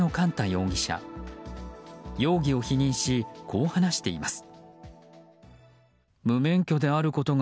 容疑を否認し、こう話しています。